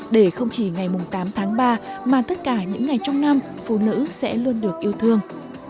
để không chỉ ngày tám tháng ba mà tất cả những ngày trong năm phụ nữ sẽ luôn được yêu thương